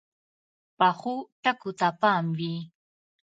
پخو ټکو ته پام وي